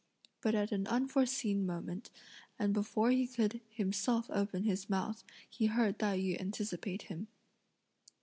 But at an unforeseen moment, and before he could himself open his mouth, he heard Tai yü anticipate him.